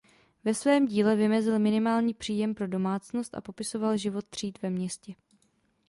Ve svém díle vymezil minimální příjem pro domácnost a popisoval život tříd ve městě.